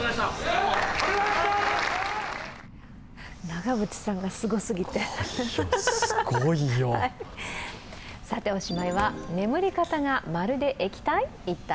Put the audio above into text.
長渕さんがすごすぎておしまいは、眠り方がまるで液体？